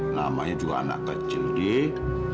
namanya juga anak kecil diik